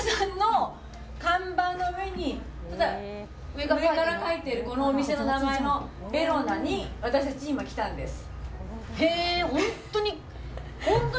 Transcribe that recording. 上から書いてるこのお店の名前のベローナに私たち、今、来たんです。